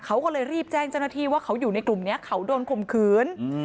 เขาก็เลยรีบแจ้งเจ้าหน้าที่ว่าเขาอยู่ในกลุ่มนี้เขาโดนข่มขืน